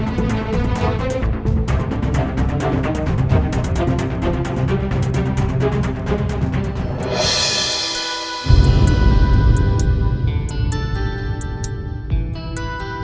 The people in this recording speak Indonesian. selamat pagi erin